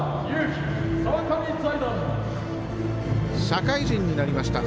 社会人になりました。